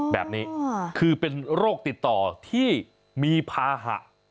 แบบนี้คือเป็นโรคติดต่อที่มีภาหะ